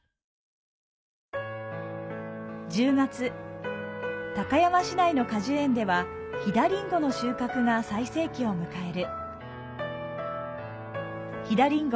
１０月、高山市内の果樹園では、飛騨リンゴの収穫が最盛期を迎える。